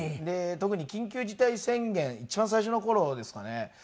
で特に緊急事態宣言一番最初の頃ですかね。